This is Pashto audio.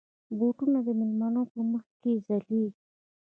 بوټونه د مېلمنو په مخ کې ځلېږي.